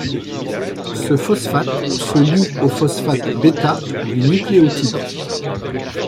Ce phosphate se lie au phosphate β du nucléotide.